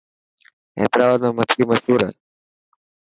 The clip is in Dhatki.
حيدرآباد ۾ مڇي مشهور هي.